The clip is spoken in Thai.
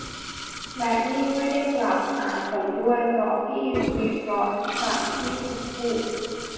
และนี่ไม่ได้กล่าวหาผมด้วย เพราะพี่วิเคราะห์จากที่ผมพูด !